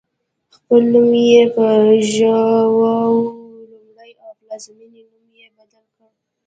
خپل نوم یې پر ژواو لومړی او پلازمېنې نوم یې بدل کړ.